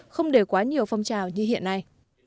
không để quá nhiều phong trào như hiện nay